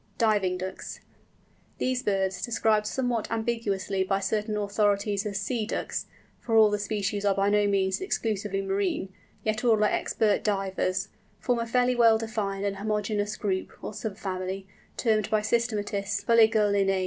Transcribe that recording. DIVING DUCKS. These birds, described somewhat ambiguously by certain authorities as Sea Ducks, for all the species are by no means exclusively marine, yet all are expert divers, form a fairly well defined and homogenous group, or sub family, termed by systematists, Fuligulinæ.